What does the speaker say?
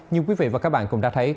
nhưng quý vị và các bạn cũng đã thấy